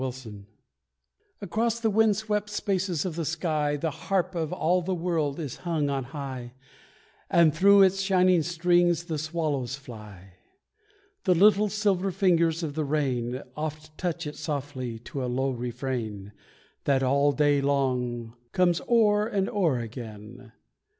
THE HARP Across the wind swept spaces of the sky The harp of all the world is hung on high, And through its shining strings the swallows fly. The little silver fingers of the rain Oft touch it softly to a low refrain, That all day long comes o'er and o'er again.